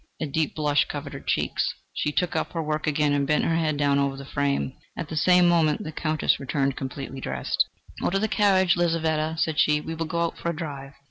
A deep blush covered her cheeks; she took up her work again and bent her head down over the frame. At the same moment the Countess returned completely dressed. "Order the carriage, Lizaveta," said she; "we will go out for a drive."